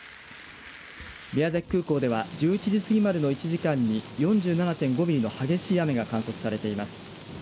宮崎空港では、１１時過ぎまでの１時間に４７．５ミリの激しい雨が観測されています。